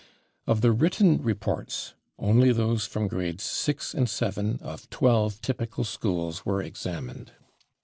Of the written reports, only those from grades VI and VII of twelve typical schools were examined.